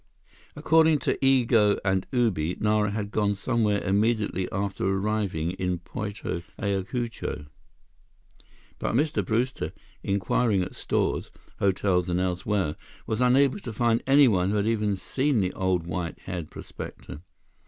According to Igo and Ubi, Nara had gone somewhere immediately after arriving in Puerto Ayacucho. But Mr. Brewster, inquiring at stores, hotels, and elsewhere, was unable to find anyone who had even seen the old white haired prospector.